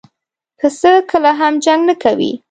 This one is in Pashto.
پسه کله هم جنګ نه کوي.